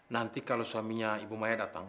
nanti kalau suaminya ibu maya datang